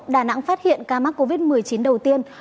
đà nẵng phát hiện ca mắc covid một mươi chín đầu tiên